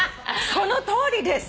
「そのとおりです」